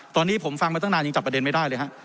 ตอนนี้ผมฟังมาตั้งนานยังจับประเด็นไม่ได้เลยฮะ